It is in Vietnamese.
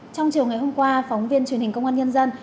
trong chiều ngày hôm qua phóng viên truyền hình công an nhân dân